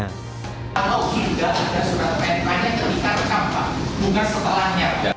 kalau tidak ada surat perempuannya jadikan rekampang bukan setelahnya